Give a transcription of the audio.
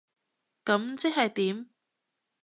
噉即係點？